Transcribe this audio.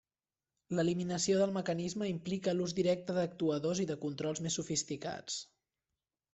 L'eliminació del mecanisme implica l'ús directe d'actuadors i de controls més sofisticats.